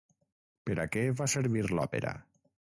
Per a què va servir l'òpera?